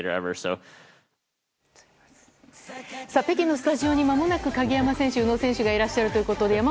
北京のスタジオにまもなく鍵山選手、宇野選手がいらっしゃるということで。